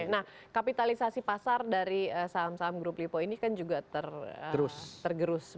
nah kapitalisasi pasar dari saham saham grup lipo ini kan juga tergerus